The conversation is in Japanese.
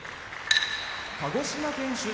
鹿児島県出身